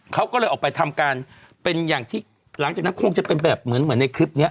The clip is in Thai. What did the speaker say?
เขาก็เลยออกไปทำการเป็นอย่างที่หลังจากนั้นคงจะเป็นแบบเหมือนเหมือนในคลิปนี้